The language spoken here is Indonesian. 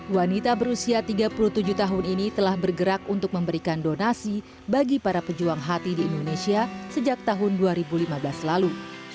wanita berusia tiga puluh tujuh tahun ini telah bergerak untuk memberikan donasi bagi para pejuang hati di indonesia sejak tahun dua ribu lima belas lalu